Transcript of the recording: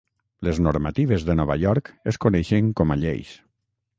Les normatives de Nova York es coneixen com a Lleis.